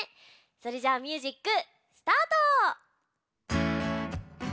それじゃあミュージックスタート！